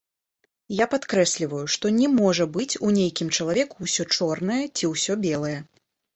Я падкрэсліваю, што не можа быць у нейкім чалавеку ўсё чорнае ці ўсё белае.